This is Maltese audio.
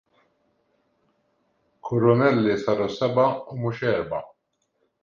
Kurunelli saru sebgħa u mhux erbgħa.